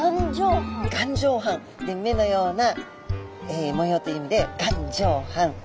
目のような模様という意味で眼状斑。